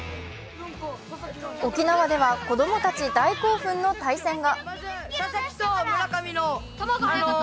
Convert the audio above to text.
沖縄では子供たち大興奮の対戦が。